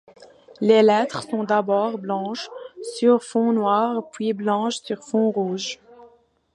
Les lettres sont d'abord blanches sur fond noir puis blanches sur fond rouge.